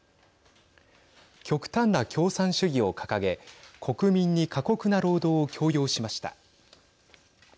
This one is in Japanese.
極端な共産主義を掲げ国民に過酷な労働を強要しました。